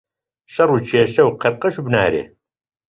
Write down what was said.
شەڕ و کێشە و قەڕقەش و بنارێ.